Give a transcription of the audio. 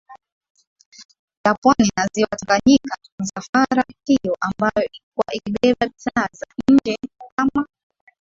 ya pwani na Ziwa Tanganyika Misafara hiyo ambayo ilikuwa ikibeba bidhaa za nje kama